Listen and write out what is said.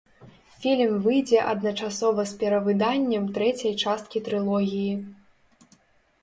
Фільм выйдзе адначасова з перавыданнем трэцяй часткі трылогіі.